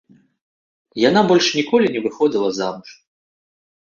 Яна больш ніколі не выходзіла замуж.